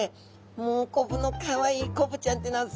もうコブのかわいいコブちゃんって名付けて。